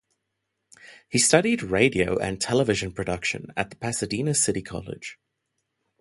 He studied radio and television production at Pasadena City College.